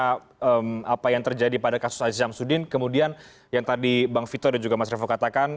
karena apa yang terjadi pada kasus aziz syamsuddin kemudian yang tadi bang vito dan juga mas revo katakan